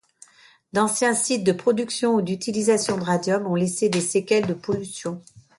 D'anciens sites de production ou d'utilisation de radium ont laissé des séquelles de pollution.